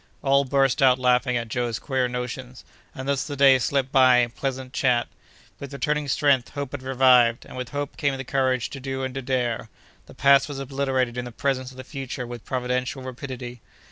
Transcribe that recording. All burst out laughing at Joe's queer notions, and thus the day slipped by in pleasant chat. With returning strength, hope had revived, and with hope came the courage to do and to dare. The past was obliterated in the presence of the future with providential rapidity.